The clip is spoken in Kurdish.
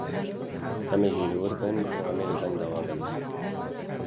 Em ê jî li wir bin û em ê li benda we bin